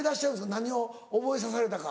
何を覚えさせられたか。